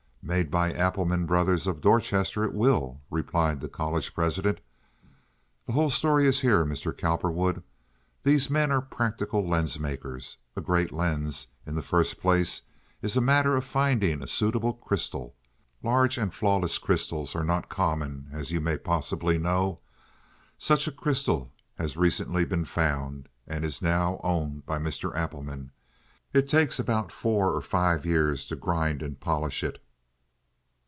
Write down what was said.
"Made by Appleman Brothers, of Dorchester, it will," replied the college president. "The whole story is here, Mr. Cowperwood. These men are practical lens makers. A great lens, in the first place, is a matter of finding a suitable crystal. Large and flawless crystals are not common, as you may possibly know. Such a crystal has recently been found, and is now owned by Mr. Appleman. It takes about four or five years to grind and polish it.